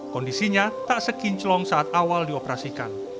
kondisinya tak sekinclong saat awal dioperasikan